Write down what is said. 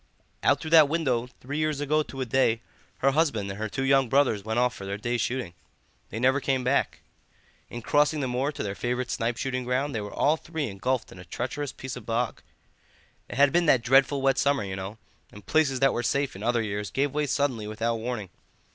"Out through that window, three years ago to a day, her husband and her two young brothers went off for their day's shooting. They never came back. In crossing the moor to their favourite snipe shooting ground they were all three engulfed in a treacherous piece of bog. It had been that dreadful wet summer, you know, and places that were safe in other years gave way suddenly without warning.